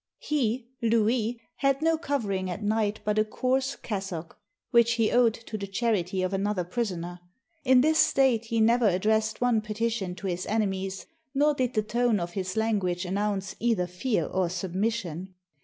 ] He [Louis] had no covering at night but a coarse cas sock, which he owed to the charity of another prisoner. In this state, he never addressed one petition to his ene mies, nor did the tone of his language announce either fear or submission.